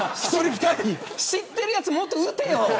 知ってるやつ、もっと撃てよ。